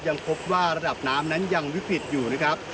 ยังพบว่าระดับน้ำนั้นยังวิกฤตอยู่นะครับ